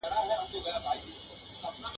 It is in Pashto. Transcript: په پنجرو کي له چیغاره سره نه جوړیږي !.